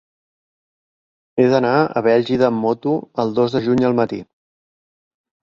He d'anar a Bèlgida amb moto el dos de juny al matí.